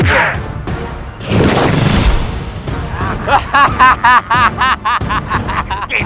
io kira bisa jadi pengumpulan